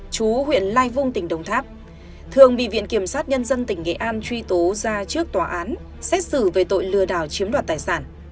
chú huyện lai vung tỉnh đồng tháp thường bị viện kiểm sát nhân dân tỉnh nghệ an truy tố ra trước tòa án xét xử về tội lừa đảo chiếm đoạt tài sản